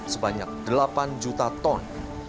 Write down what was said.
sebanyak delapan juta ton